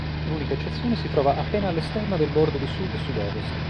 L'unica eccezione si trova appena all'esterno del bordo di sud-sud-ovest.